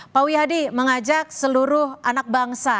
pak wihadi mengajak seluruh anak bangsa